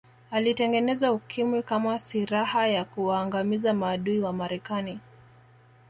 alitengeneza ukimwi kama siraha ya kuwaangamiza maadui wa marekani